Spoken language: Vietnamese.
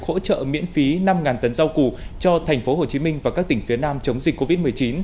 hỗ trợ miễn phí năm tấn rau củ cho tp hcm và các tỉnh phía nam chống dịch covid một mươi chín